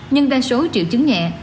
nhưng đa số triệu chứng nhẹ